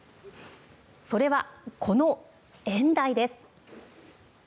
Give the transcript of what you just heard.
それは、この演台です。